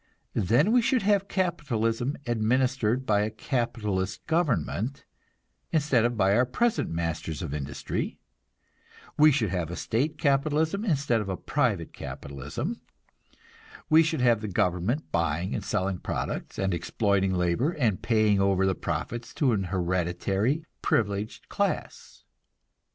Then we should have capitalism administered by a capitalist government, instead of by our present masters of industry; we should have a state capitalism, instead of a private capitalism; we should have the government buying and selling products, and exploiting labor, and paying over the profits to an hereditary privileged class.